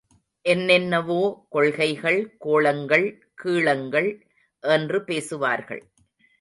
என்னென்னவோ கொள்கைகள், கோளங்கள், கீளங்கள் என்று பேசுவார்கள்.